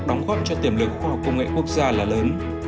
đóng góp cho tiềm lực khoa học công nghệ quốc gia là lớn